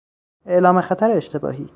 اعلام خطر اشتباهی